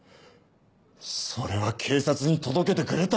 それは警察に届けてくれたんじゃ。